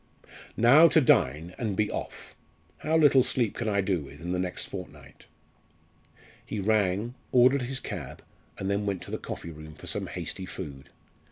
Now to dine, and be off! How little sleep can I do with in the next fortnight?" He rang, ordered his cab, and then went to the coffee room for some hasty food.